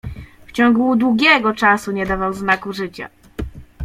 "W ciągu długiego czasu nie dawał znaku życia."